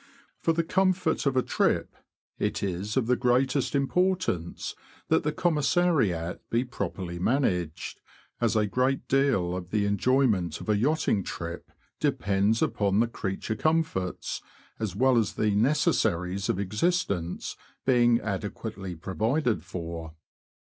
flOR the comfort of a trip, it is of the greatest ) importance that the Commissariat be properly ) managed, as a great deal of the enjoyment of a yachting trip depends upon the creature comforts, as well as the necessaries of existence, being ade quately provided for.